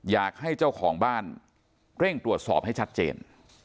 อยากให้เจ้าของบ้านเร่งตรวจสอบให้ชัดเจน